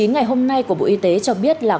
ngày hôm nay của bộ y tế cho biết là